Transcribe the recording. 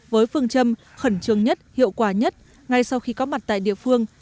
với phương châm khẩn trương nhất hiệu quả nhất ngay sau khi có mặt tại địa phương